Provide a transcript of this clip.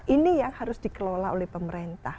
ini yang harus dikelola oleh pemerintah